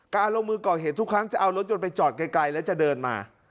การลงมือก่อเหตุทุกครั้งจะเอารถยนต์ไปจอดไกลแล้วจะเดินมา